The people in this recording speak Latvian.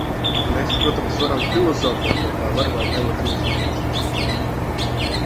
Mēs, protams, varam filozofēt, vai tā var vai tā nevar rīkoties.